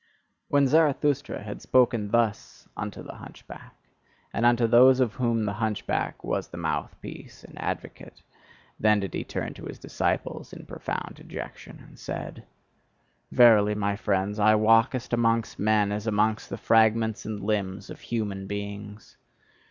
When Zarathustra had spoken thus unto the hunchback, and unto those of whom the hunchback was the mouthpiece and advocate, then did he turn to his disciples in profound dejection, and said: Verily, my friends, I walk amongst men as amongst the fragments and limbs of human beings!